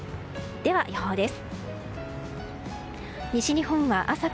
では、予報です。